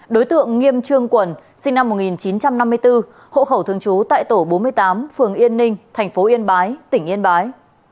đối tượng nghiêm trương quần sinh năm một nghìn chín trăm năm mươi bốn hộ khẩu thường trú tại tổ bốn mươi tám phường yên ninh thành phố yên bái tỉnh yên bái